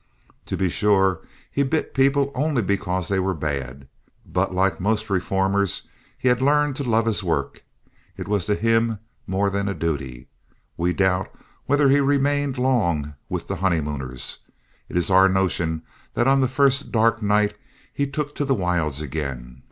To be sure, he bit people only because they were bad, but, like most reformers, he had learned to love his work. It was to him more than a duty. We doubt whether he remained long with the honeymooners. It is our notion that on the first dark night he took to the wilds again.